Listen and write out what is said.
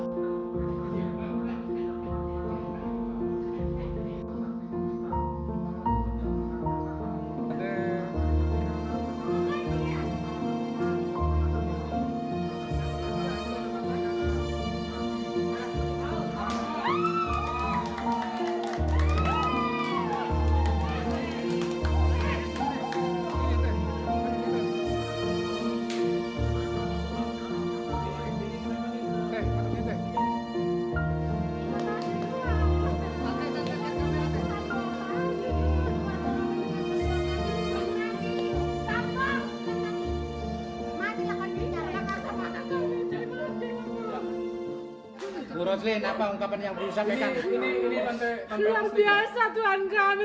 tujuh bulan kami menanti